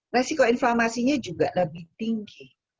resiko inflamasinya juga lebih tinggi